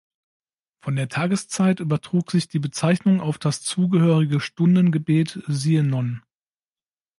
Von der Tageszeit übertrug sich die Bezeichnung auf das zugehörige Stundengebet, siehe Non.